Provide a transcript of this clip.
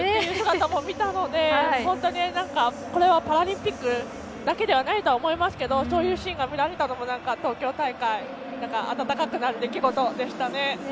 本当にパラリンピックだけではないと思いますけどそういうシーンが見られたのも東京大会、温かくなる出来事でしたね。